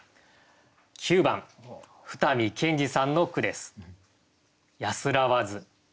９番二見謙治さんの句です。